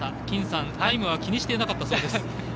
金さん、タイムは気にしていなかったそうです。